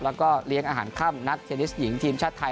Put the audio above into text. แล้วก็เลี้ยงอาหารค่ำนักเทนนิสหญิงทีมชาติไทย